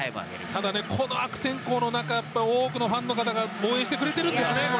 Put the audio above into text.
ただ、この悪天候の中多くのファンの方が応援してくれてるんですね。